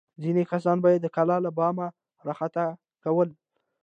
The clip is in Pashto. ځینې کسان به یې د کلا له بامه راخطا کول.